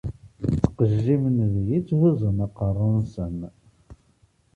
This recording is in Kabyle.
Ttqejjimen deg-i, tthuzzun aqerru-nsen.